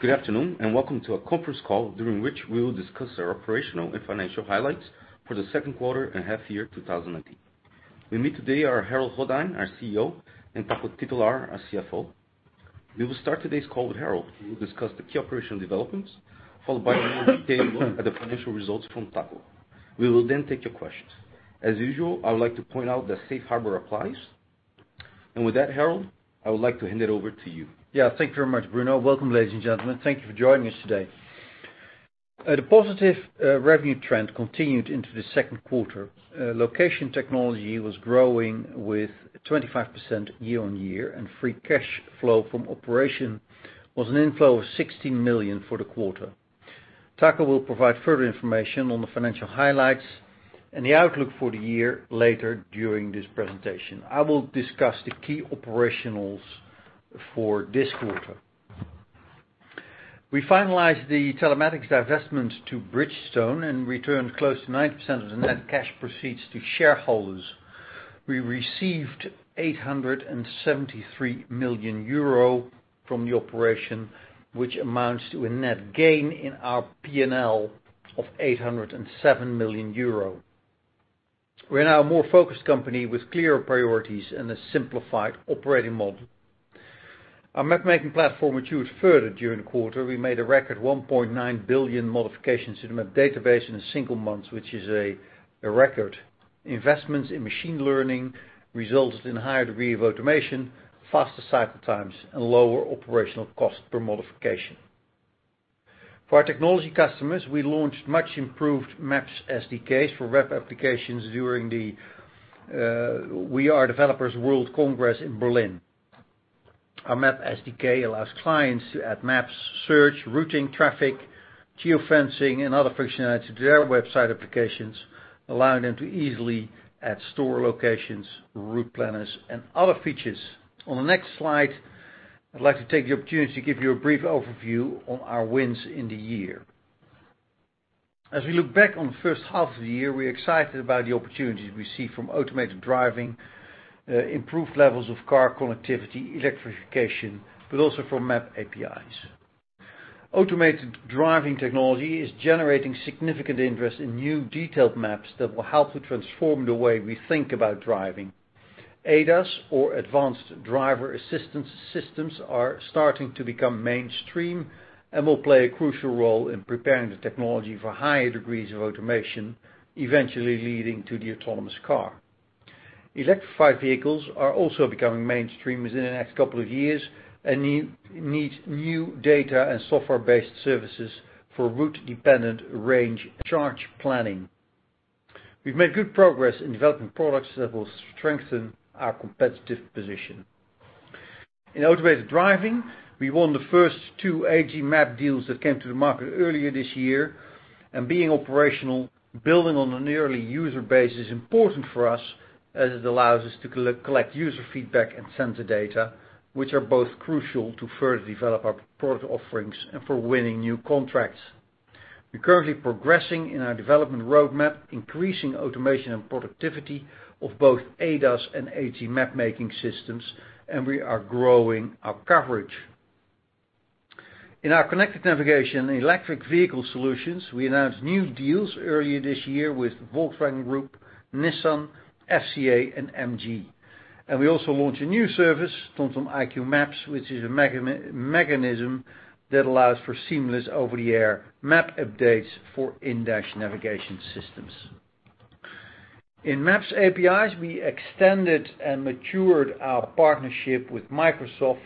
Good afternoon, welcome to our conference call, during which we will discuss our operational and financial highlights for the second quarter and half year 2019. With me today are Harold Goddijn, our CEO, and Taco Titulaer, our CFO. We will start today's call with Harold, who will discuss the key operational developments, followed by a more detailed look at the financial results from Taco. We will then take your questions. As usual, I would like to point out that safe harbor applies. With that, Harold, I would like to hand it over to you. Thank you very much, Bruno. Welcome, ladies and gentlemen. Thank you for joining us today. The positive revenue trend continued into the second quarter. Location Technology was growing with 25% year-on-year, free cash flow from operation was an inflow of 16 million for the quarter. Taco will provide further information on the financial highlights and the outlook for the year later during this presentation. I will discuss the key operationals for this quarter. We finalized the Telematics divestment to Bridgestone and returned close to 90% of the net cash proceeds to shareholders. We received 873 million euro from the operation, which amounts to a net gain in our P&L of 807 million euro. We are now a more focused company with clearer priorities and a simplified operating model. Our map-making platform matured further during the quarter. We made a record 1.9 billion modifications to the map database in a single month, which is a record. Investments in machine learning resulted in a higher degree of automation, faster cycle times, and lower operational cost per modification. For our technology customers, we launched much improved Maps SDKs for web applications during the WeAreDevelopers World Congress in Berlin. Our Maps SDK allows clients to add maps, search, routing, traffic, geo-fencing, and other functionality to their website applications, allowing them to easily add store locations, route planners, and other features. On the next slide, I'd like to take the opportunity to give you a brief overview on our wins in the year. As we look back on the first half of the year, we're excited about the opportunities we see from automated driving, improved levels of car connectivity, electrification, but also from map APIs. Automated driving technology is generating significant interest in new detailed maps that will help to transform the way we think about driving. ADAS or Advanced Driver Assistance Systems are starting to become mainstream and will play a crucial role in preparing the technology for higher degrees of automation, eventually leading to the autonomous car. Electrified vehicles are also becoming mainstream within the next couple of years and need new data and software-based services for route-dependent range and charge planning. We've made good progress in developing products that will strengthen our competitive position. In automated driving, we won the first two HD map deals that came to the market earlier this year, and being operational, building on an early user base is important for us as it allows us to collect user feedback and sensor data, which are both crucial to further develop our product offerings and for winning new contracts. We're currently progressing in our development roadmap, increasing automation and productivity of both ADAS and HD map-making systems, and we are growing our coverage. In our connected navigation and electric vehicle solutions, we announced new deals earlier this year with Volkswagen Group, Nissan, FCA, and MG. We also launched a new service, TomTom IQ Maps, which is a mechanism that allows for seamless over-the-air map updates for in-dash navigation systems. In Maps APIs, we extended and matured our partnership with Microsoft,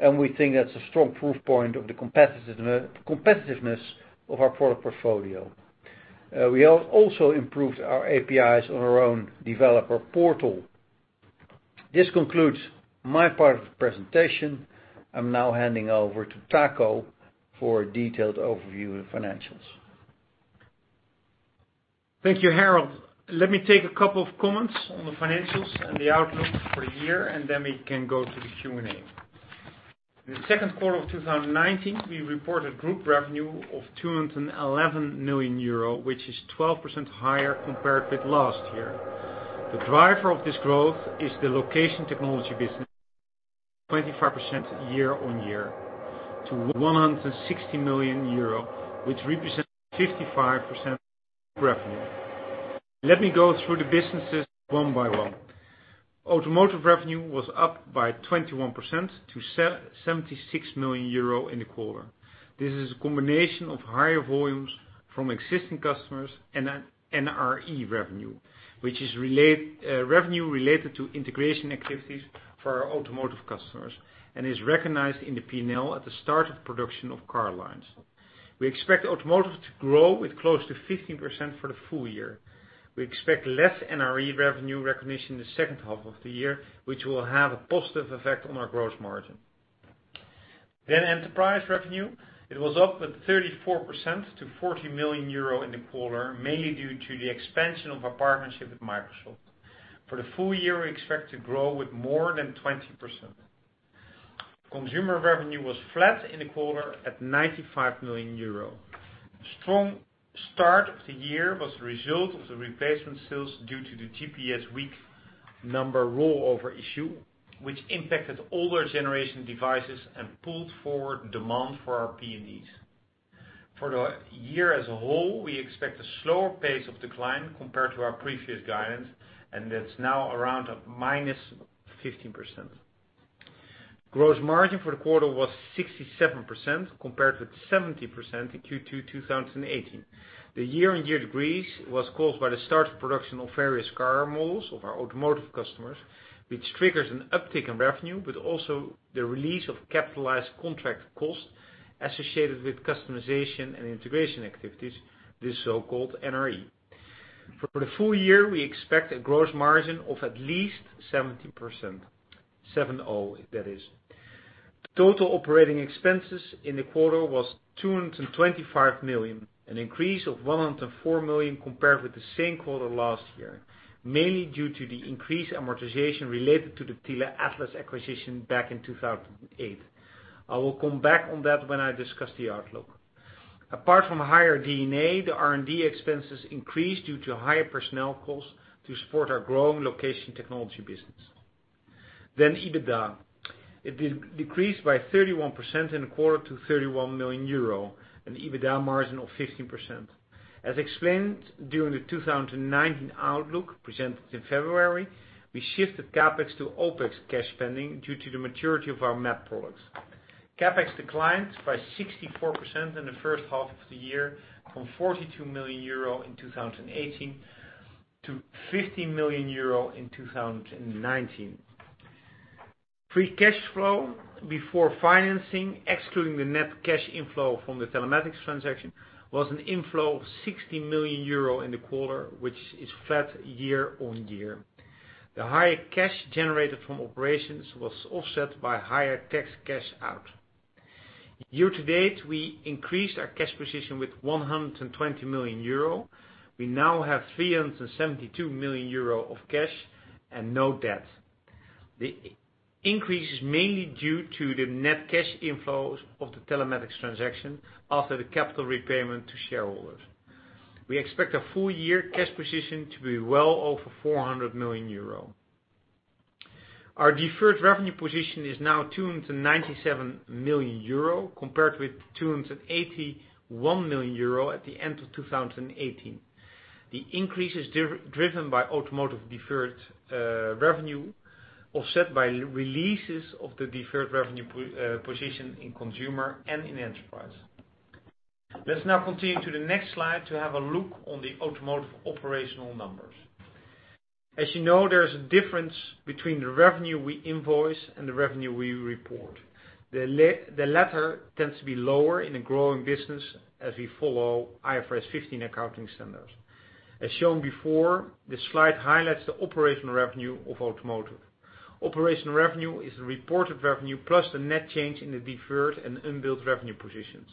and we think that's a strong proof point of the competitiveness of our product portfolio. We also improved our APIs on our own developer portal. This concludes my part of the presentation. I'm now handing over to Taco for a detailed overview of the financials. Thank you, Harold. Let me take a couple of comments on the financials and the outlook for the year, and then we can go to the Q&A. In the second quarter of 2019, we reported group revenue of 211 million euro, which is 12% higher compared with last year. The driver of this growth is the Location Technology business, 25% year-on-year to 160 million euro, which represents 55% of revenue. Let me go through the businesses one by one. Automotive revenue was up by 21% to 76 million euro in the quarter. This is a combination of higher volumes from existing customers and NRE revenue, which is revenue related to integration activities for our Automotive customers and is recognized in the P&L at the start of production of car lines. We expect Automotive to grow with close to 15% for the full year. We expect less NRE revenue recognition in the second half of the year, which will have a positive effect on our gross margin. Enterprise revenue, it was up by 34% to 40 million euro in the quarter, mainly due to the expansion of our partnership with Microsoft. For the full year, we expect to grow with more than 20%. Consumer revenue was flat in the quarter at 95 million euro. Strong start of the year was the result of the replacement sales due to the GPS week number rollover issue, which impacted older generation devices and pulled forward demand for our PNDs. For the year as a whole, we expect a slower pace of decline compared to our previous guidance, and that's now around minus 15%. Gross margin for the quarter was 67% compared with 70% in Q2 2018. The year-on-year decrease was caused by the start of production of various car models of our Automotive customers, which triggers an uptick in revenue, but also the release of capitalized contract cost associated with customization and integration activities, this so-called NRE. For the full year, we expect a gross margin of at least 70%, 7-0, that is. Total operating expenses in the quarter was 225 million, an increase of 104 million compared with the same quarter last year, mainly due to the increased amortization related to the Tele Atlas acquisition back in 2008. I will come back on that when I discuss the outlook. Apart from higher D&A, the R&D expenses increased due to higher personnel costs to support our growing Location Technology business. EBITDA. It decreased by 31% in the quarter to 31 million euro, an EBITDA margin of 15%. As explained during the 2019 outlook presented in February, we shifted CapEx to OpEx cash spending due to the maturity of our map products. CapEx declines by 64% in the first half of the year from 42 million euro in 2018 to 15 million euro in 2019. Free cash flow before financing, excluding the net cash inflow from the Telematics transaction, was an inflow of 60 million euro in the quarter, which is flat year-over-year. The higher cash generated from operations was offset by higher tax cash out. Year to date, we increased our cash position with 120 million euro. We now have 372 million euro of cash and no debt. The increase is mainly due to the net cash inflows of the Telematics transaction after the capital repayment to shareholders. We expect our full year cash position to be well over 400 million euro. Our deferred revenue position is now 297 million euro, compared with 281 million euro at the end of 2018. The increase is driven by Automotive deferred revenue, offset by releases of the deferred revenue position in Consumer and in Enterprise. Let's now continue to the next slide to have a look on the Automotive operational numbers. As you know, there's a difference between the revenue we invoice and the revenue we report. The latter tends to be lower in a growing business as we follow IFRS 15 accounting standards. As shown before, this slide highlights the operational revenue of Automotive. Operational revenue is the reported revenue plus the net change in the deferred and unbilled revenue positions.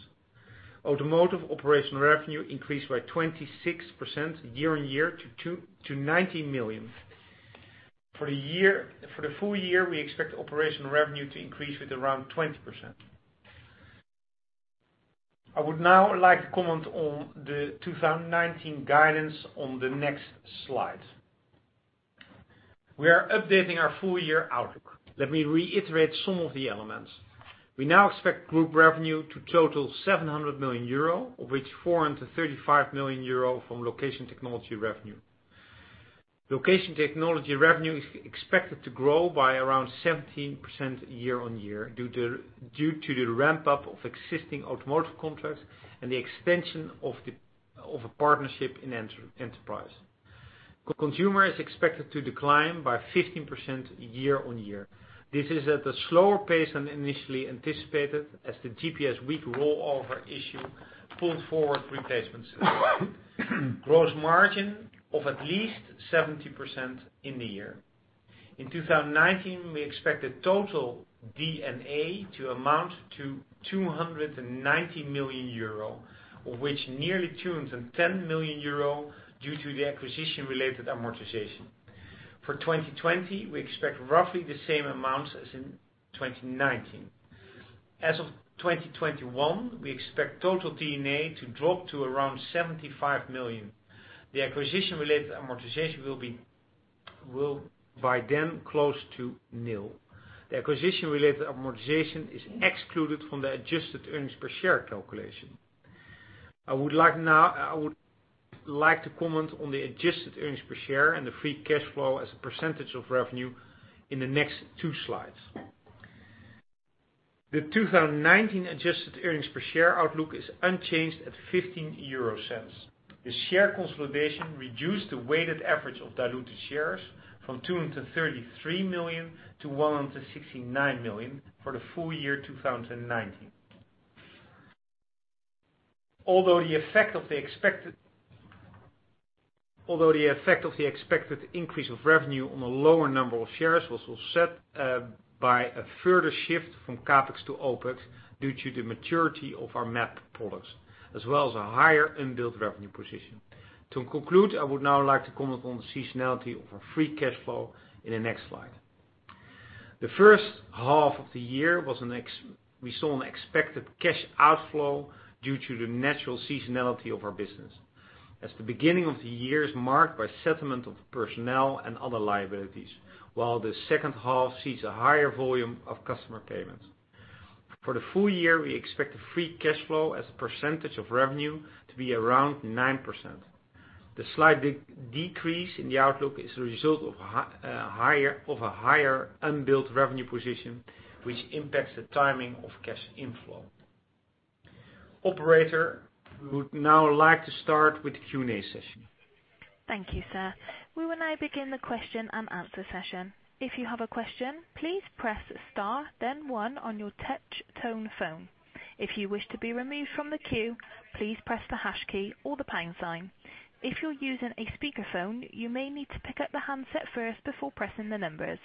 Automotive operational revenue increased by 26% year-over-year to 19 million. For the full year, we expect operational revenue to increase with around 20%. I would now like to comment on the 2019 guidance on the next slide. We are updating our full year outlook. Let me reiterate some of the elements. We now expect group revenue to total 700 million euro, of which 435 million euro from Location Technology revenue. Location Technology revenue is expected to grow by around 17% year-over-year due to the ramp-up of existing Automotive contracts and the extension of a partnership in Enterprise. Consumer is expected to decline by 15% year-over-year. This is at a slower pace than initially anticipated as the GPS week number rollover issue pulled forward replacement sales. Gross margin of at least 70% in the year. In 2019, we expect the total D&A to amount to 290 million euro, of which nearly 210 million euro due to the acquisition related amortization. For 2020, we expect roughly the same amounts as in 2019. As of 2021, we expect total D&A to drop to around 75 million. The acquisition related amortization will by then close to nil. The acquisition related amortization is excluded from the adjusted earnings per share calculation. I would like to comment on the adjusted earnings per share and the free cash flow as a percentage of revenue in the next two slides. The 2019 adjusted earnings per share outlook is unchanged at 0.15. The share consolidation reduced the weighted average of diluted shares from 233 million to 169 million for the full year 2019. Although the effect of the expected increase of revenue on a lower number of shares was offset by a further shift from CapEx to OpEx due to the maturity of our map products, as well as a higher unbilled revenue position. To conclude, I would now like to comment on the seasonality of our free cash flow in the next slide. The first half of the year, we saw an expected cash outflow due to the natural seasonality of our business. As the beginning of the year is marked by settlement of personnel and other liabilities, while the second half sees a higher volume of customer payments. For the full year, we expect free cash flow as a percentage of revenue to be around 9%. The slight decrease in the outlook is a result of a higher unbilled revenue position, which impacts the timing of cash inflow. Operator, we would now like to start with the Q&A session. Thank you, sir. We will now begin the question and answer session. If you have a question, please press star then one on your touch tone phone. If you wish to be removed from the queue, please press the hash key or the pound sign. If you're using a speakerphone, you may need to pick up the handset first before pressing the numbers.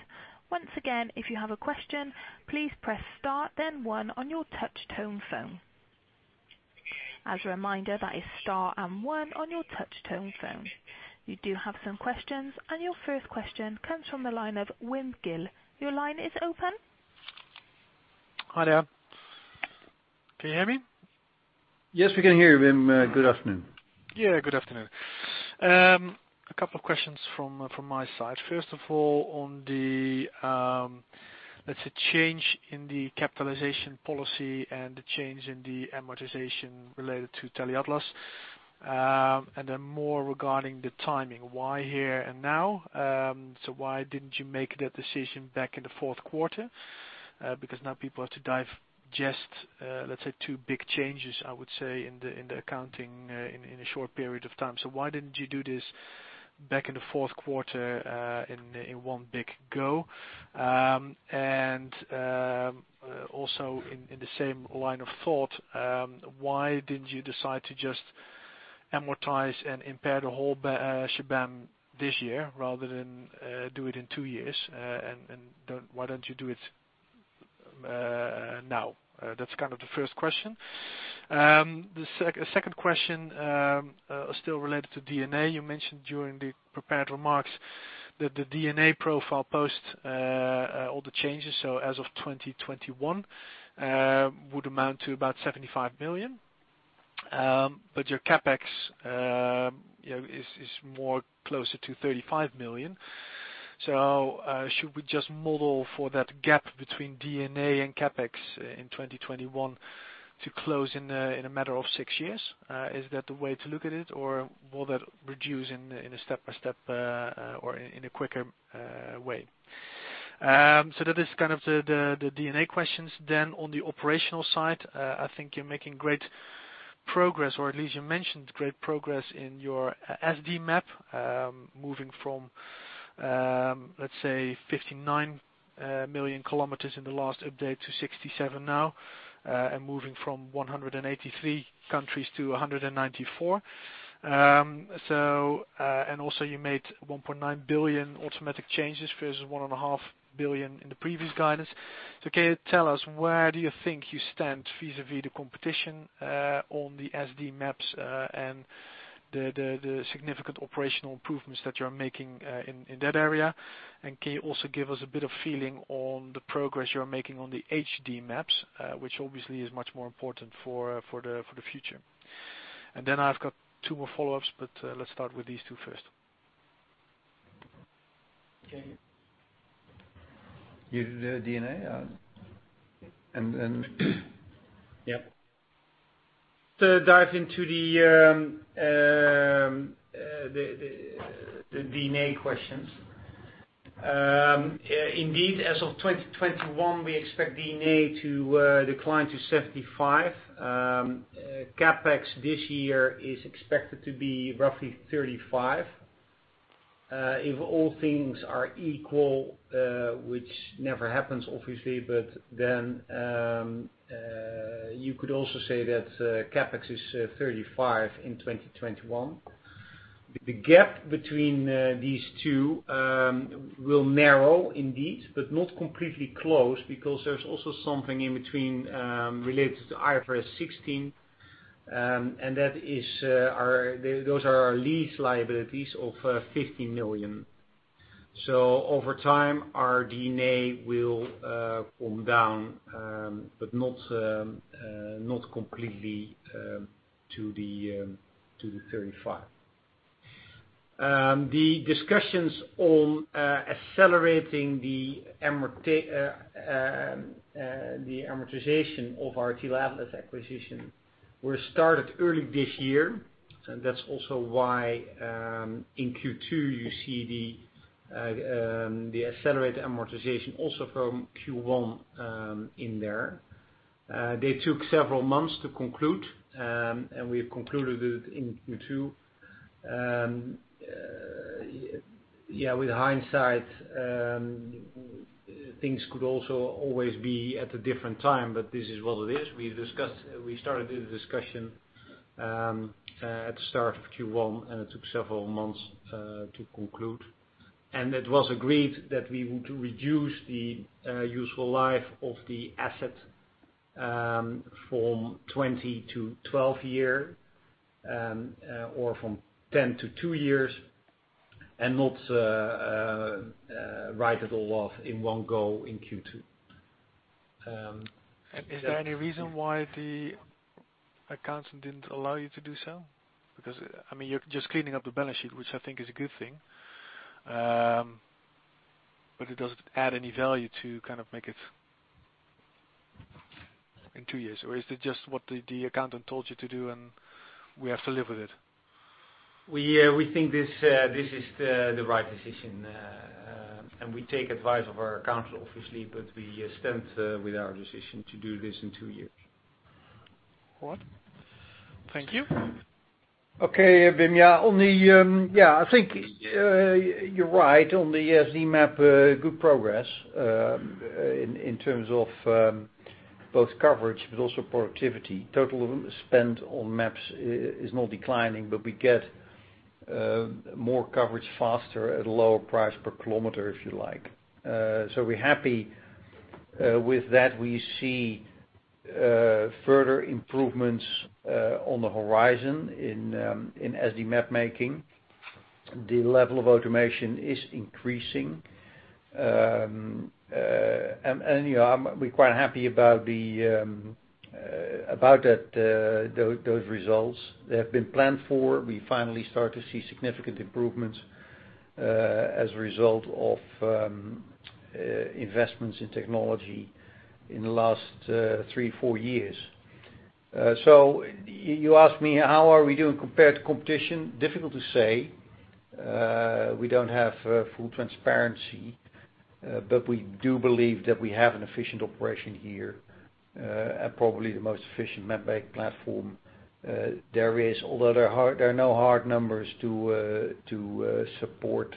Once again, if you have a question, please press star then one on your touch tone phone. As a reminder, that is star and one on your touch tone phone. We do have some questions. Your first question comes from the line of Wim Gille. Your line is open. Hi there. Can you hear me? Yes, we can hear you, Wim. Good afternoon. Good afternoon. A couple of questions from my side. First of all, on the, let's say, change in the capitalization policy and the change in the amortization related to Tele Atlas, more regarding the timing, why here and now? Why didn't you make that decision back in the fourth quarter? Because now people have to digest, let's say, two big changes, I would say, in the accounting in a short period of time. Why didn't you do this back in the fourth quarter in one big go? Also in the same line of thought, why didn't you decide to just amortize and impair the whole shebang this year rather than do it in two years? Why don't you do it now? That's the first question. The second question, still related to D&A, you mentioned during the prepared remarks that the D&A profile post all the changes, as of 2021, would amount to about 75 million. Your CapEx is more closer to 35 million. Should we just model for that gap between D&A and CapEx in 2021 to close in a matter of six years? Is that the way to look at it, or will that reduce in a step by step or in a quicker way? That is kind of the D&A questions. On the operational side, I think you're making great progress or at least you mentioned great progress in your SD map, moving from, let's say, 59 million kilometers in the last update to 67 now, moving from 183 countries to 194. Also you made 1.9 billion automatic changes versus 1.5 billion in the previous guidance. Can you tell us where do you think you stand vis-à-vis the competition on the SD maps and the significant operational improvements that you're making in that area? Can you also give us a bit of feeling on the progress you're making on the HD maps, which obviously is much more important for the future? I've got two more follow-ups, but let's start with these two first. Okay. You do D&A? Yeah. To dive into the D&A questions. Indeed, as of 2021, we expect D&A to decline to 75 million. CapEx this year is expected to be roughly 35 million. If all things are equal, which never happens, obviously, you could also say that CapEx is 35 million in 2021. The gap between these two will narrow indeed, but not completely close because there's also something in between related to IFRS 16. Those are our lease liabilities of 15 million. Over time, our D&A will come down, but not completely to the 35 million. The discussions on accelerating the amortization of our Tele Atlas acquisition were started early this year. That's also why, in Q2, you see the accelerated amortization also from Q1 in there. They took several months to conclude, we've concluded it in Q2. Yeah, with hindsight, things could also always be at a different time, but this is what it is. We started the discussion at the start of Q1, it took several months to conclude. It was agreed that we would reduce the useful life of the asset From 20 to 12 years, or from 10 to two years, not write it all off in one go in Q2. Is there any reason why the accountant didn't allow you to do so? Because, you're just cleaning up the balance sheet, which I think is a good thing. It doesn't add any value to make it in two years. Is it just what the accountant told you to do and we have to live with it? We think this is the right decision. We take advice of our counsel, obviously, we stand with our decision to do this in two years. All right. Thank you. Okay, Wim. I think you're right on the SD map, good progress, in terms of both coverage but also productivity. Total spend on maps is now declining, we get more coverage faster at a lower price per kilometer, if you like. We're happy with that. We see further improvements on the horizon in SD map making. The level of automation is increasing. We're quite happy about those results. They have been planned for. We finally start to see significant improvements, as a result of investments in technology in the last 3, 4 years. You asked me, how are we doing compared to competition? Difficult to say. We don't have full transparency. We do believe that we have an efficient operation here. Probably the most efficient map making platform there is. Although there are no hard numbers to support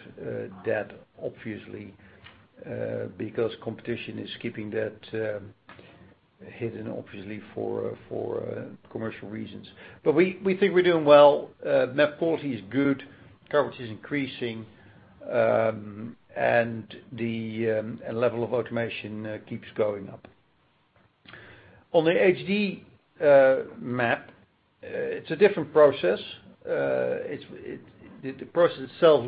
that, obviously, because competition is keeping that hidden obviously for commercial reasons. We think we're doing well. Map quality is good, coverage is increasing, and the level of automation keeps going up. On the HD map, it's a different process. The process itself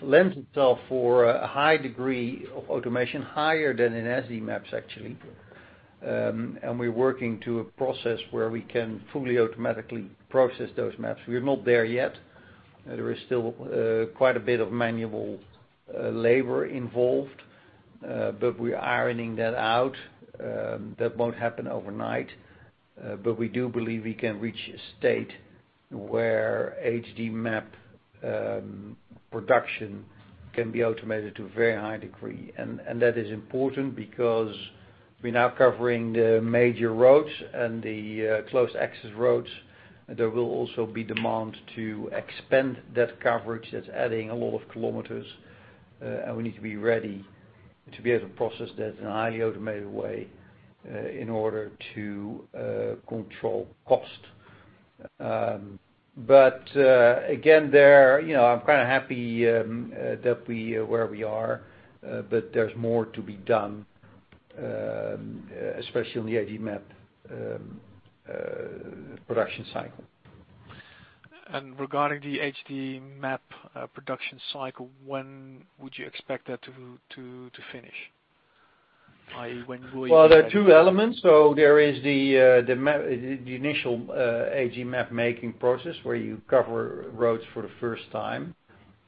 lends itself for a high degree of automation, higher than in SD maps, actually. We're working to a process where we can fully automatically process those maps. We're not there yet. There is still quite a bit of manual labor involved. We're ironing that out. That won't happen overnight. We do believe we can reach a state where HD map production can be automated to a very high degree. That is important because we're now covering the major roads and the close access roads. There will also be demand to expand that coverage. That's adding a lot of kilometers. We need to be ready to be able to process that in a highly automated way, in order to control cost. Again, I'm happy where we are. There's more to be done, especially on the HD map production cycle. Regarding the HD map production cycle, when would you expect that to finish? There are two elements. There is the initial HD map making process, where you cover roads for the first time.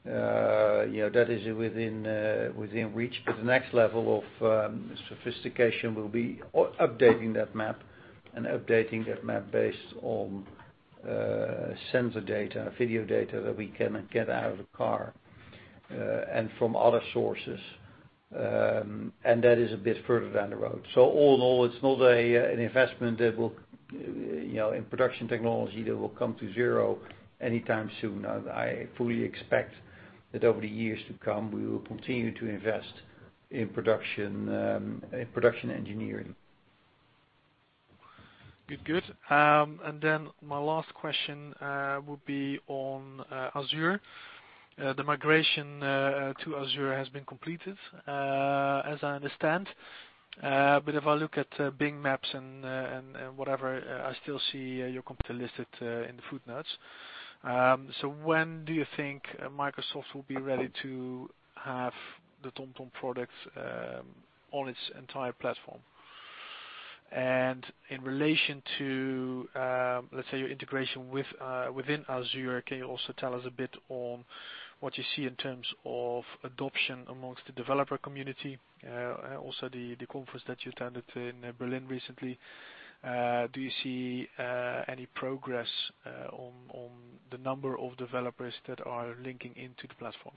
That is within reach. The next level of sophistication will be updating that map based on sensor data, video data that we can get out of the car, and from other sources. That is a bit further down the road. All in all, it's not an investment in production technology that will come to zero anytime soon. I fully expect that over the years to come, we will continue to invest in production engineering. Good. My last question would be on Azure. The migration to Azure has been completed, as I understand. If I look at Bing Maps and whatever, I still see your company listed in the footnotes. When do you think Microsoft will be ready to have the TomTom products on its entire platform? In relation to, let's say, your integration within Azure, can you also tell us a bit on what you see in terms of adoption amongst the developer community? The conference that you attended in Berlin recently, do you see any progress on the number of developers that are linking into the platform?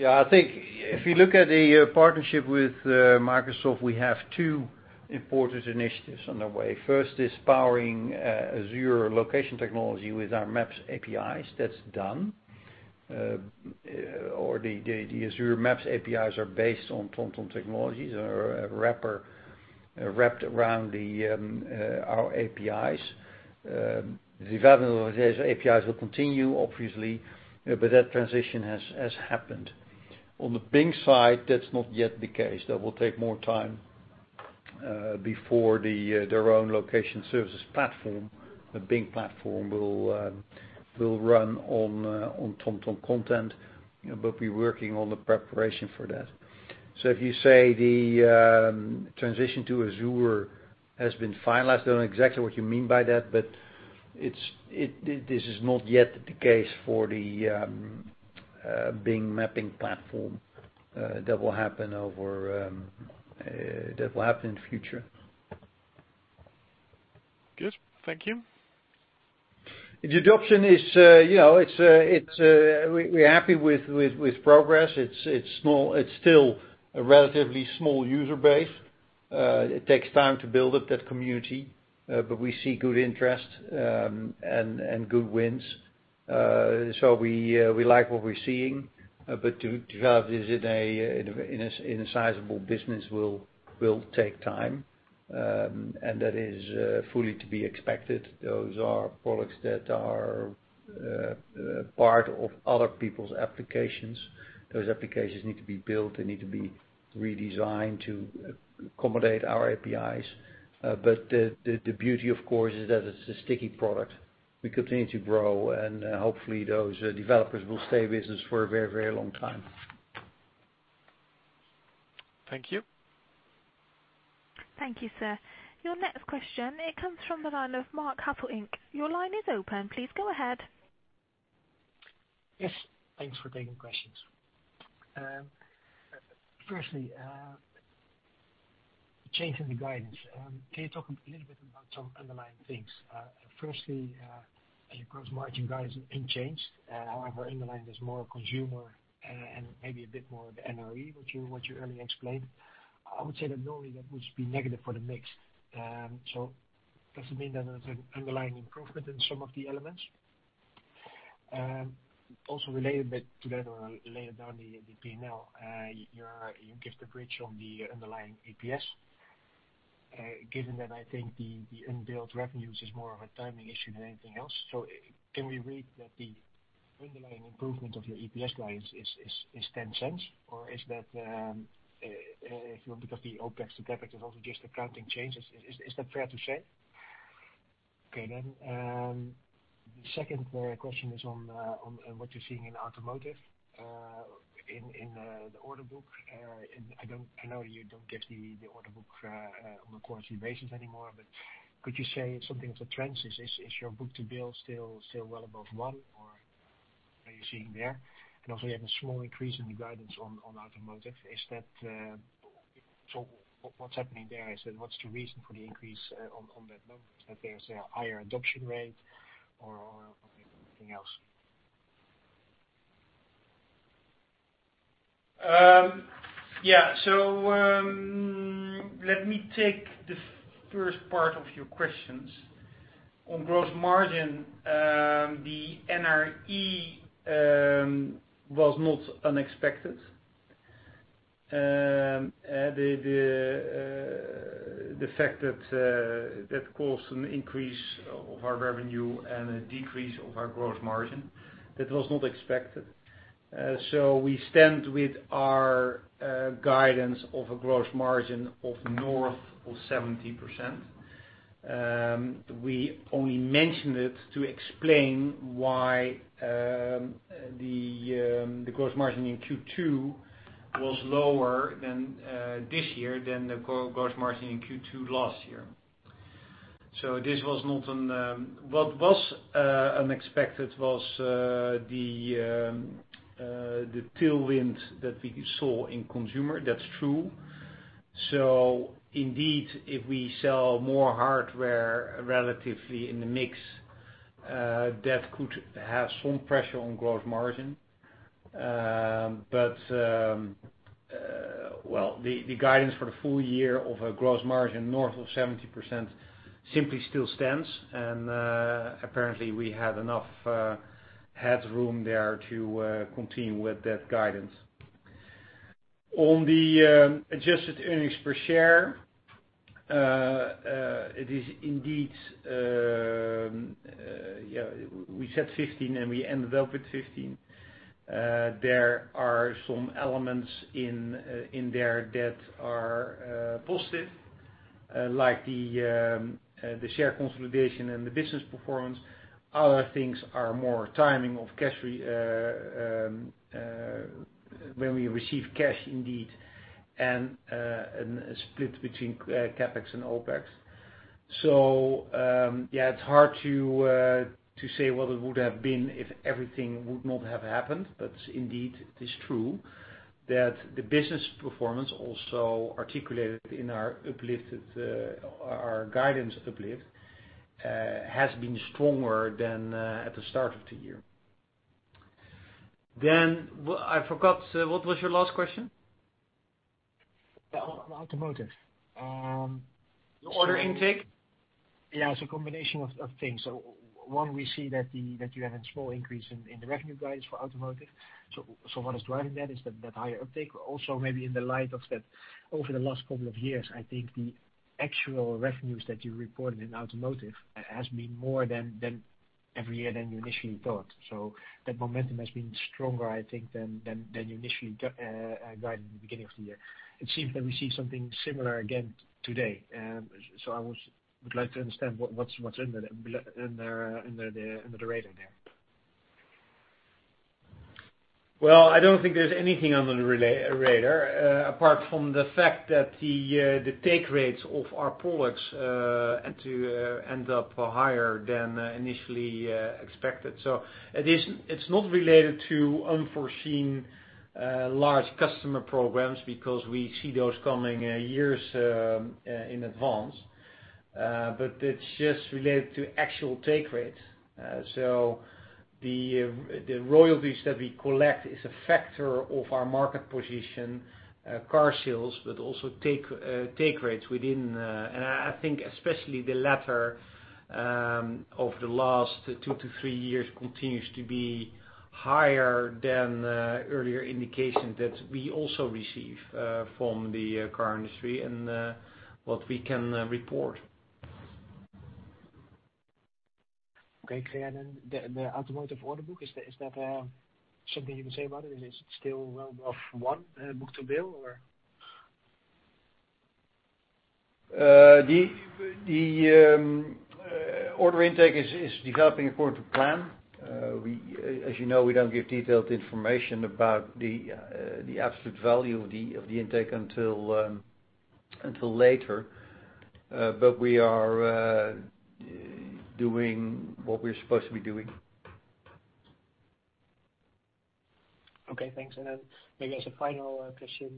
I think if you look at the partnership with Microsoft, we have two important initiatives on the way. First is powering Azure Location Technology with our Maps APIs. That's done. The Azure Maps APIs are based on TomTom technologies, are wrapped around our APIs. The development of those APIs will continue, obviously, but that transition has happened. On the Bing side, that's not yet the case. That will take more time before their own location services platform, the Bing platform, will run on TomTom content. We're working on the preparation for that. If you say the transition to Azure has been finalized, I don't know exactly what you mean by that, this is not yet the case for the Bing mapping platform. That will happen in the future. Good. Thank you. The adoption, we're happy with progress. It's still a relatively small user base. It takes time to build up that community, but we see good interest and good wins. We like what we're seeing. To have this in a sizable business will take time, and that is fully to be expected. Those are products that are part of other people's applications. Those applications need to be built; they need to be redesigned to accommodate our APIs. The beauty, of course, is that it's a sticky product. We continue to grow, and hopefully those developers will stay with us for a very long time. Thank you. Thank you, sir. Your next question, it comes from the line of Marc Hesselink. Your line is open. Please go ahead. Yes, thanks for taking questions. Firstly, changing the guidance. Can you talk a little bit about some underlying things? Firstly, your gross margin guidance unchanged. However, underlying there's more Consumer and maybe a bit more of NRE, what you earlier explained. I would say that normally that would be negative for the mix. Does it mean that there's an underlying improvement in some of the elements? Also related a bit to that or later down the P&L, you give the bridge on the underlying EPS. Given that I think the unbilled revenues is more of a timing issue than anything else. Can we read that the underlying improvement of your EPS guidance is 0.10, or is that, if you look at the OpEx to CapEx is also just accounting changes. Is that fair to say? Okay, then. The second question is on what you're seeing in Automotive, in the order book. I know you don't give the order book on a quarterly basis anymore, could you say something of the trends? Is your book to bill still well above one, or what are you seeing there? You have a small increase in the guidance on Automotive. What's happening there? What's the reason for the increase on that note? That there's a higher adoption rate or anything else? Let me take the first part of your questions. On gross margin, the NRE was not unexpected. The fact that caused an increase of our revenue and a decrease of our gross margin, that was not expected. We stand with our guidance of a gross margin of north of 70%. We only mentioned it to explain why the gross margin in Q2 was lower this year than the gross margin in Q2 last year. What was unexpected was the tailwind that we saw in Consumer. That's true. Indeed, if we sell more hardware relatively in the mix, that could have some pressure on gross margin. The guidance for the full year of a gross margin north of 70% simply still stands, and apparently, we have enough headroom there to continue with that guidance. On the adjusted earnings per share, we said 0.15, and we ended up with 0.15. There are some elements in there that are positive, like the share consolidation and the business performance. Other things are more timing of when we receive cash indeed, and a split between CapEx and OpEx. It's hard to say what it would have been if everything would not have happened. Indeed, it is true that the business performance also articulated in our guidance uplift, has been stronger than at the start of the year. I forgot, what was your last question? On Automotive. The order intake? Yeah, it's a combination of things. One, we see that you have a small increase in the revenue guidance for Automotive. What is driving that is that higher uptake. Also, maybe in the light of that, over the last couple of years, I think the actual revenues that you reported in Automotive has been more than every year than you initially thought. That momentum has been stronger, I think, than you initially guided in the beginning of the year. It seems that we see something similar again today. I would like to understand what's under the radar there. Well, I don't think there's anything under the radar apart from the fact that the take rates of our products had to end up higher than initially expected. It's not related to unforeseen large customer programs because we see those coming years in advance. It's just related to actual take rates. The royalties that we collect is a factor of our market position, car sales, but also take rates within. I think especially the latter, over the last two to three years, continues to be higher than earlier indications that we also receive from the car industry and what we can report. The Automotive order book, is that something you can say about it? Is it still well above one book-to-bill, or? The order intake is developing according to plan. As you know, we don't give detailed information about the absolute value of the intake until later. We are doing what we're supposed to be doing. Okay, thanks. Maybe as a final question,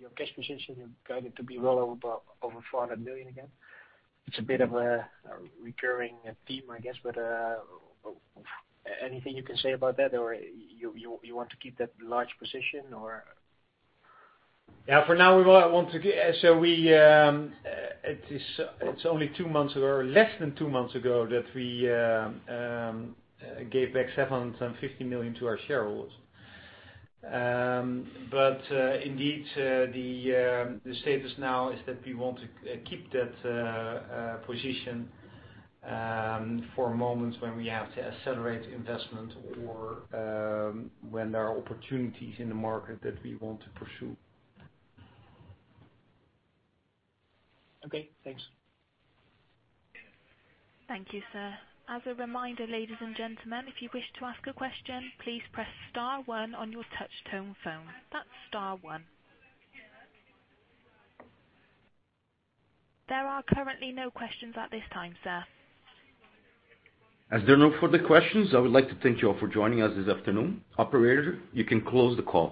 your cash position, you've guided to be well over 400 million again. It's a bit of a recurring theme, I guess, anything you can say about that, or you want to keep that large position, or? Yeah, for now it's only two months ago, or less than two months ago that we gave back 750 million to our shareholders. Indeed, the status now is that we want to keep that position for moments when we have to accelerate investment or when there are opportunities in the market that we want to pursue. Okay, thanks. Thank you, sir. As a reminder, ladies and gentlemen, if you wish to ask a question, please press star one on your touch-tone phone. That's star one. There are currently no questions at this time, sir. As there are no further questions, I would like to thank you all for joining us this afternoon. Operator, you can close the call.